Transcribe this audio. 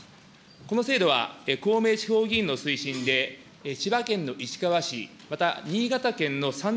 この制度は公明地方議員の推進で、千葉県の市川市、また新潟県のさん